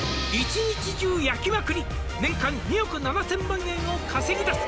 「１日中焼きまくり」「年間２億７０００万円を稼ぎ出す」